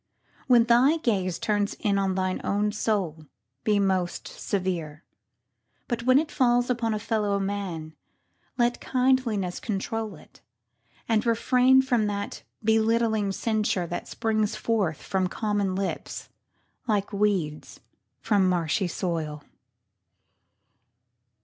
When thy gaze Turns in on thine own soul, be most severe. But when it falls upon a fellow man Let kindliness control it; and refrain From that belittling censure that springs forth From common lips like weeds from marshy soil.